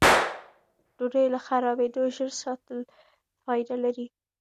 ډوډۍ له خرابېدو ژر ساتل فایده لري.